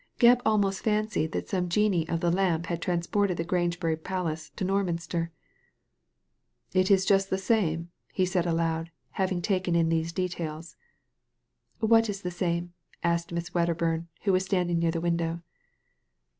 Gebb almost fancied that some genii of the lamp had transported the Grangebury palace to Norminster. ^ It is just the same,'' he said aloud, having taken in these details. "What is the same?'' asked Miss Wedderbum, who was standing near the window.